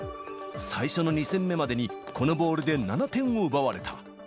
最初の２戦目までにこのボールで７点を奪われた。